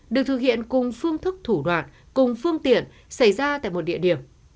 được thực hiện cùng phương thức thủ đoạn cùng phương tiện xảy ra tại một địa điểm